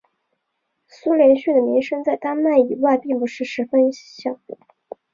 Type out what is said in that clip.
苏连逊的名声在丹麦以外并不是十分响。